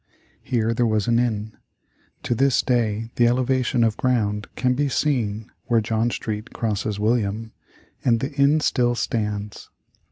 Here there was an inn. To this day the elevation of ground can be seen (where John Street crosses William), and the inn still stands.